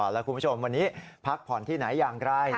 แล้วคุณผู้ชมวันนี้พักผ่อนที่ไหนอย่างไร